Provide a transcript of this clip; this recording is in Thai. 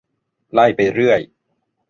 ไล่ไปเรื่อย